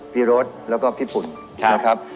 พี่รถแล้วก็พี่ปุ่นนะครับ